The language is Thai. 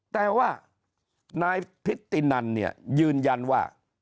แต่ว่านายพิตินันเนี่ยยืนยันว่า